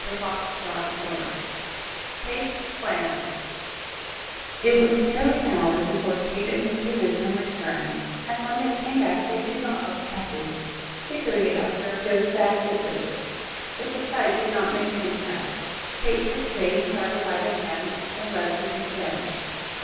CHAPTER VII KATE PLANS It was nearly an hour before Kate and Mr. Newcombe returned, and when they came back they did not look happy. Dickory observed their sad visages, but the sight did not make him sad. Kate took Dame Charter by the hand and led her to the bench.